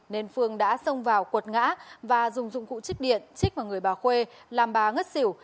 nên phương đã xông vào quật ngã và dùng dụng cụ trích điện chích vào người bà khuê làm bà ngất xỉu